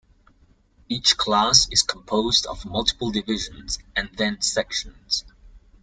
Each class is composed of multiple divisions and then sections.